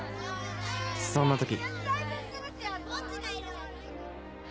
そんな時。